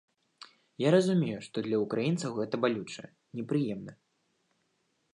Я разумею, што для ўкраінцаў гэта балюча, непрыемна.